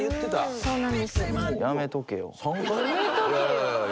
そうなんです。